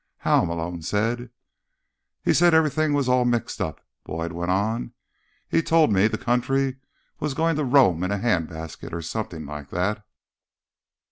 "How?" Malone said. "He said everything was all mixed up," Boyd went on. "He told me the country was going to Rome in a handbasket, or something like that."